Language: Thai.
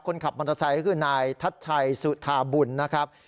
คนขับมอเตอร์ไซค์ก็คือนายทัชชัยสุธาบุญนะครับ